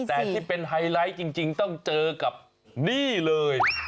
แต่ที่เป็นไฮไลท์จริงต้องเจอกับนี่เลย